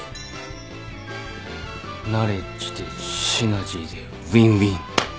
ナレッジでシナジーでウィンウィン。